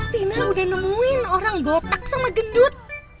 tina udah nemuin orang gotak sama gendut